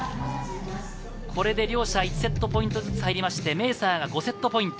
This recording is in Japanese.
これで両者１セットポイントずつ入りまして、メーサーが５セットポイント。